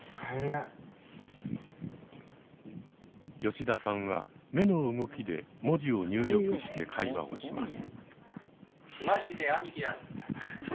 吉田さんは目の動きで文字を入力して会話をします。